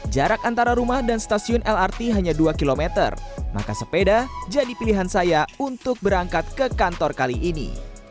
jarak antara rumah dan stasiun lrt hanya dua km maka sepeda jadi pilihan saya untuk berangkat ke kantor kali ini